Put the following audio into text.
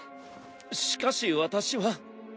しかし私は。